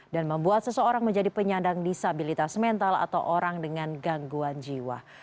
dan membuat seseorang menjadi penyandang disabilitas mental atau orang dengan gangguan jiwa